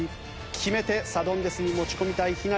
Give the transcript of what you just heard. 決めてサドンデスに持ち込みたい陽成君。